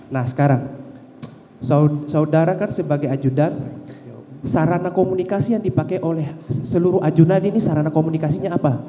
nah sekarang saudara kan sebagai ajudan sarana komunikasi yang dipakai oleh seluruh ajunan ini sarana komunikasinya apa